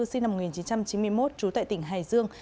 sinh năm một nghìn chín trăm chín mươi một trú tại tỉnh hải dương